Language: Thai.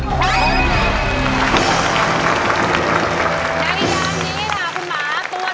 ในยามนี้ค่ะคุณหมา